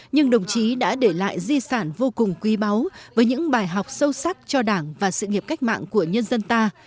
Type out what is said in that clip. nhưng đồng chí đã để lại di sản vô cùng quý báu với những bài học sâu sắc cho đảng và sự nghiệp cách mạng của nhân dân ta